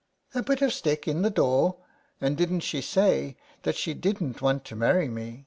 " A bit of stick in the door ? And didn't she say that she didn't want to marry me